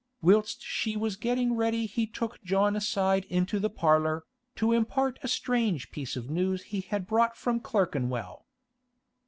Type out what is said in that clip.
Whilst she was getting ready he took John aside into the parlour, to impart a strange piece of news he had brought from Clerkenwell.